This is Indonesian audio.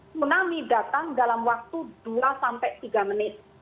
tsunami datang dalam waktu dua sampai tiga menit